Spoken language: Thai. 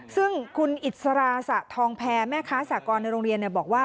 ซึ่งคุณอิสระสะทองแพรแม่ค้าสากรในโรงเรียนบอกว่า